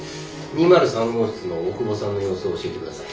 ２０３号室の大久保さんの様子を教えて下さい。